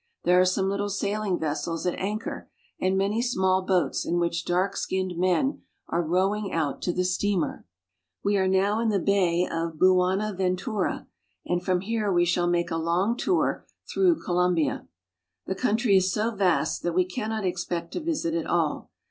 There are some little saiHng vessels at anchor, and many small boats in which dark skinned men are rowing out to the steamer. We are now in the Bay of Buenaventura (boo a na ven too'ra), and from here we shall make a long tour through Colombia. The country is so vast that we cannot expect to visit it all.